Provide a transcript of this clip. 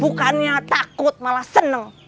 bukannya takut malah seneng